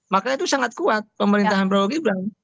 makanya itu sangat kuat pemerintahan perpogiban